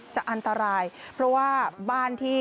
จะอันตรายเพราะว่าบ้านที่